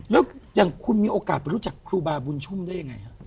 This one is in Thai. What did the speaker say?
แล้วอย่างคุณมีโอกาสไปรู้จักครูบาบุญชุ่มได้ยังไงฮะ